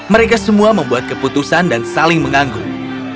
mereka semua membuat keputusan dan saling menganggur